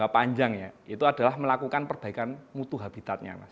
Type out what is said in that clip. satu satunya jangka panjang adalah melakukan perbaikan mutu habitatnya